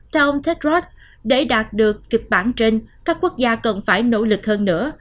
theo ông techrotech để đạt được kịch bản trên các quốc gia cần phải nỗ lực hơn nữa